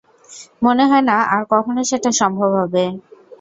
মনে হয় না আর কখনও সেটা সম্ভব হবে।